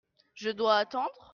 Je dois attendre ?